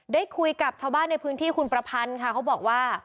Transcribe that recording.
ได้คุยกับชาวบ้านในพื้นที่คุณประพันธ์ค่ะเขาบอกว่า